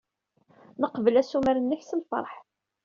Neqbel assumer-nnek s lfeṛḥ.